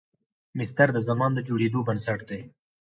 مصدر د زمان د جوړېدو بنسټ دئ.